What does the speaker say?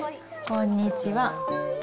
こんにちは。